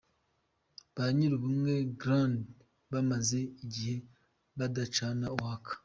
Ba nyiri Ubumwe Grande bamaze igihe badacana uwaka.